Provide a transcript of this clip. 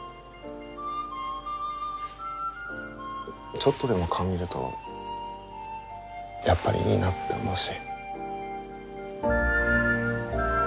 ちょっとでも顔見るとやっぱりいいなって思うし。